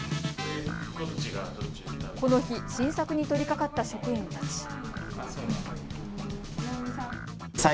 この日、新作に取りかかった職員たち。